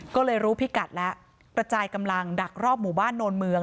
ก็เลยรู้พิกัดแล้วกระจายกำลังดักรอบหมู่บ้านโนนเมือง